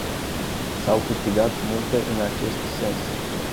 S-au câștigat multe în acest sens.